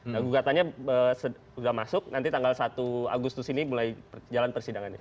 nah gugatannya sudah masuk nanti tanggal satu agustus ini mulai jalan persidangannya